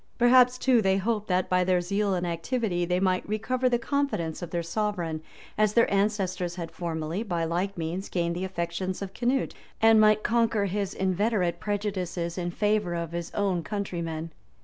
Perhaps, too, they hoped that, by their zeal and activity, they might recover the confidence of their sovereign, as their ancestors had formerly, by like means, gained the affections of Canute; and might conquer his inveterate prejudices in favor of his own countrymen.